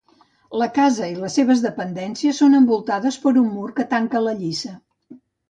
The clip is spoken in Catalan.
La casa i les seves dependències són envoltades per un mur que tanca la lliça.